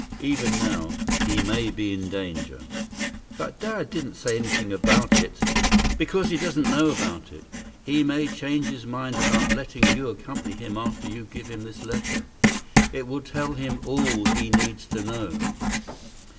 Even now, he may be in danger." "But Dad didn't say anything about it—" "Because he doesn't know about it. He may change his mind about letting you accompany him after you give him this letter. It will tell him all he needs to know."